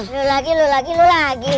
lu lagi lu lagi lu lagi